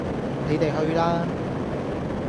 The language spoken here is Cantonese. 你地去啦